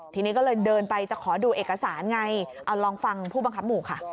ทีนี้ก็เลยเดินไปจะขอดูเอกสารไงเอาลองฟังผู้บังคับหมู่ค่ะ